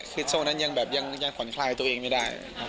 คลิตโซงนั้นยังแบบยังขวัญคลายตัวเองไม่ได้